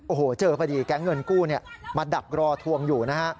โอ้โหเจอพอดีแก๊งเงินกู้มาดักรอทวงอยู่นะฮะ